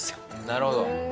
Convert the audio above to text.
なるほど。